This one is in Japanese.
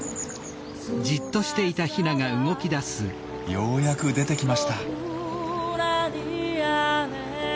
ようやく出てきました。